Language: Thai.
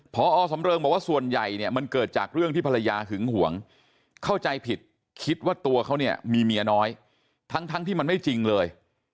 พอสำเริงบอกว่าส่วนใหญ่เนี่ยมันเกิดจากเรื่องที่ภรรยาหึงหวงเข้าใจผิดคิดว่าตัวเขาเนี่ยมีเมียน้อยทั้งที่มันไม่จริงเลย